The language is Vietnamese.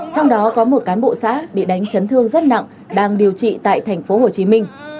trong đó có một cán bộ xã bị đánh chấn thương rất nặng đang điều trị tại thành phố hồ chí minh